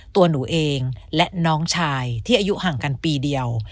ตัวหนูเองและน้องชายที่อายุห่างกันปีเดียว